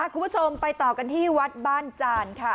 คุณผู้ชมไปต่อกันที่วัดบ้านจานค่ะ